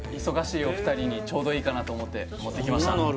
忙しいお二人にちょうどいいかなと思って持ってきました